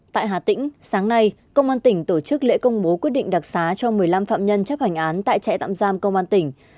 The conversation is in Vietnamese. tại hà tĩnh sáng nay công an tỉnh tổ chức lễ công bố quyết định đặc xá cho một mươi năm phạm nhân chấp hành án tại trại tạm giam công an tỉnh